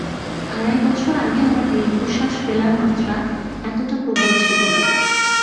আড়াই বছর আগেও আমার দীর্ঘশ্বাস ফেলার মাত্রা এতটা প্রবল ছিল না।